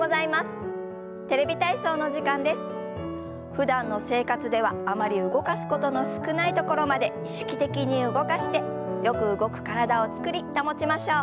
ふだんの生活ではあまり動かすことの少ないところまで意識的に動かしてよく動く体を作り保ちましょう。